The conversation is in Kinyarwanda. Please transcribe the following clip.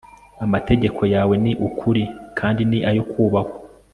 amategeko yawe ni ukuri kandi ni ayo kubahwa